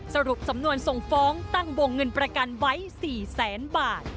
สรุปสำนวนส่งฟ้องตั้งวงเงินประกันไว้๔แสนบาท